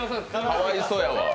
かわいそやわ。